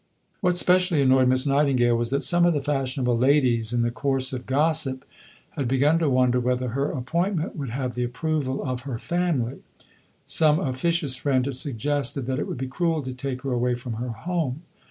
What specially annoyed Miss Nightingale was that some of the fashionable ladies in the course of gossip had begun to wonder whether her appointment would have the approval of her family. Some officious friend had suggested that "it would be cruel to take her away from her home."